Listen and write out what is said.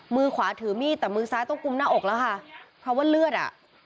มือขวาถือมีดแต่มือซ้ายต้องกุมหน้าอกแล้วค่ะเพราะว่าเลือดอ่ะ